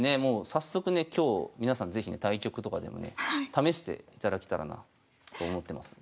早速ね今日皆さん是非ね対局とかでもね試していただけたらなと思ってます。